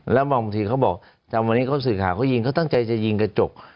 แล้วบางทีเขาบอกจำวันนี้เขาสื่อข่าวเขายิงเขาตั้งใจจะยิงกระจก